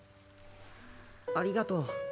ありがとう。